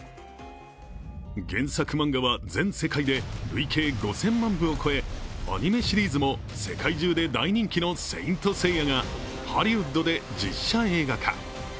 原作漫画は全世界で累計５０００万部を超えアニメシリーズも世界中で大人気の「聖闘士星矢」がハリウッドで実写映画化。